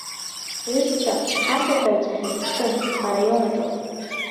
Ҳҩызцәа ашәаҳәаҩцәа ҳзыԥшын араион аҿы.